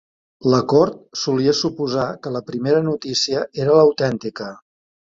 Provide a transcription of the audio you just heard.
La cort solia suposar que la primera notícia era l'autèntica.